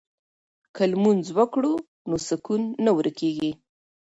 که لمونځ وکړو نو سکون نه ورکيږي.